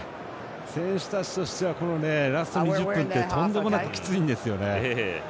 選手たちとしてはラスト２０分ってとんでもなく、きついんですよね。